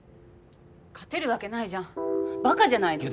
勝てるわけないじゃんばかじゃないの？